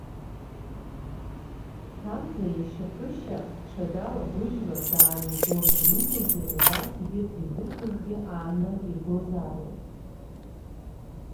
Ҭамза иашьа Ԥышьа ҽадала-гәыжьла даан игон, уи идагьы убас егьырҭ издырқәозгьы ааны иргозаарын.